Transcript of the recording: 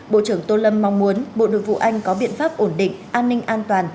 bộ trưởng tô lâm mong muốn bộ nội vụ anh có biện pháp ổn định an ninh an toàn